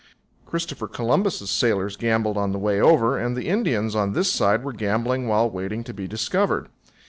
Christopher Columbus's sailors gambled on the way over, and the Indians on this side were gambling while waiting to be discovered.